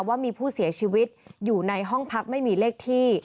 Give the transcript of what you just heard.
ว่ามีผู้เสียชีวิตอยู่ในห้องพักไม่มีเลขที่